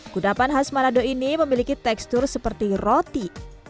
kudapan khas panada ini memiliki tekstur seperti roti